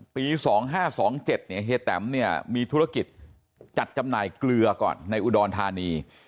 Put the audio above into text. ปี๒๕๒๗เฮษย์แตมมีธุรกิจจัดจำหน่ายเกลือก่อนในอุดรธานี